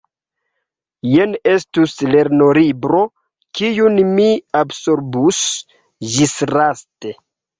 Jen estus lernolibro, kiun mi absorbus ĝislaste.